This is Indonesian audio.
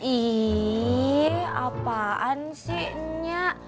ih apaan sihnya